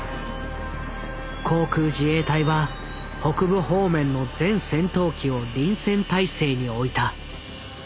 航空自衛隊は北部方面の全戦闘機を臨戦態勢においた。